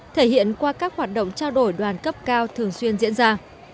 thể hiện qua các hoạt động trao đổi đoàn cấp cao thường xuyên diễn ra